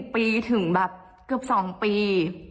ปีถึงแบบเกือบ๒ปี